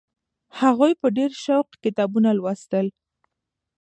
هغوی په ډېر سوق کتابونه لوستل.